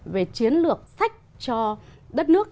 về chiến lược sách cho đất nước